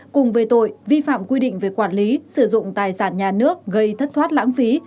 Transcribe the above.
cùng về tội vi phạm quy định về quản lý sử dụng tài sản nhà nước gây thất thoát lãng phí